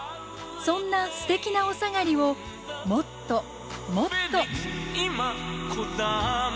そんなステキなおさがりをもっともっと。